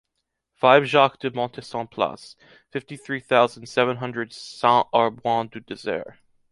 five Jacques de Montesson Place, fifty-three thousand seven hundred Saint-Aubin-du-Désert